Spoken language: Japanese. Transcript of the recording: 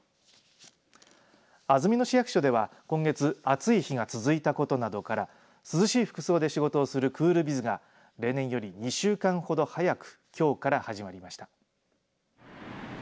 安曇野市役所では今月、暑い日が続いたことなどから涼しい服装で仕事をするクールビズが例年より２週間ほど早くきょうから始まりました。